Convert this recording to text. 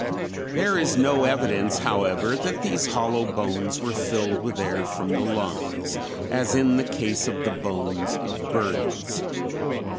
There is no evidence, however, that these hollow bones were filled with air from the lungs, as in the case of the bones of birds.